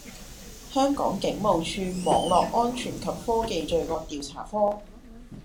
香港警務處網絡安全及科技罪案調查科